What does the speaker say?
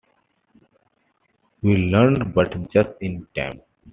We learned but just in time.